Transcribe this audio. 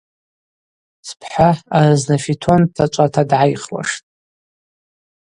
Спхӏа арызна фитон дтачӏвата дгӏайхуаштӏ.